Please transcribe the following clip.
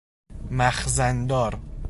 مخزن دار